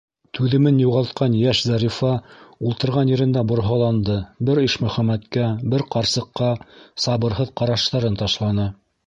Түҙемен юғалтҡан йәш Зарифа ултырған ерендә борһаланды, бер Ишмөхәмәткә, бер ҡарсыҡҡа сабырһыҙ ҡараштарын ташланы.